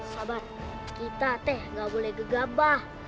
sabar kita teh gak boleh gegabah